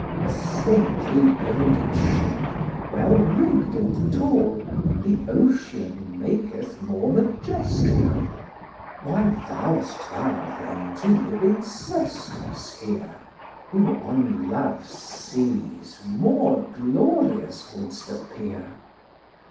A stately builded ship, well rigg'd and tall, The ocean maketh more majestical: Why vow'st thou, then, to live in Sestos here, Who on Love's seas more glorious wouldst appear?